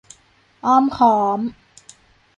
อ้อมค้อม